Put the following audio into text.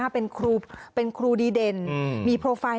เป็นครูดีเด่นมีโปรไฟล์